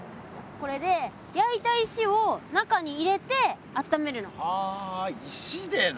これで焼いた石を中に入れてあっためるの。は石でな。